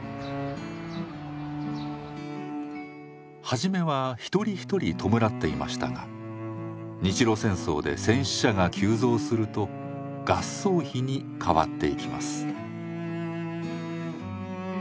初めは一人一人弔っていましたが日露戦争で戦死者が急増すると合葬碑に変わっていきます。